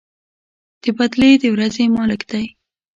د بَدلې د ورځې مالك دی.